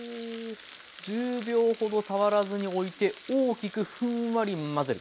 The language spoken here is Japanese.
１０秒ほど触らずにおいて大きくふんわり混ぜる。